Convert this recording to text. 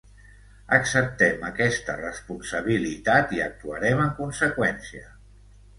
Acceptem aquesta responsabilitat i actuarem en conseqüència.